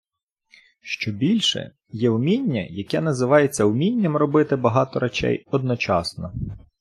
Щобільше, є вміння, яке називається вмінням робити багато речей одночасно.